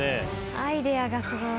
アイデアがすごい。